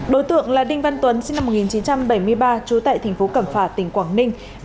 đối tượng là đinh văn tuấn sinh năm một nghìn chín trăm bảy mươi ba trú tại thành phố cẩm phả tỉnh quảng ninh